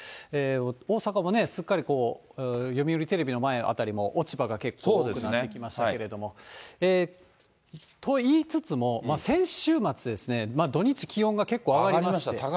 大阪もね、すっかり読売テレビの前辺りも、落ち葉が結構な感じになってきましたけれども、と言いつつも、先週末ですね、土日、気温が結構上高かったですね。